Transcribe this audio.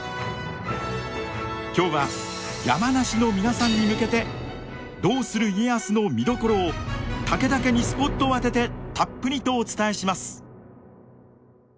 今日は山梨の皆さんに向けて「どうする家康」の見どころを武田家にスポットを当ててたっぷりとお伝えします！